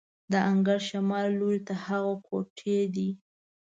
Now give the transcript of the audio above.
د انګړ شمال لوري ته هغه کوټې دي.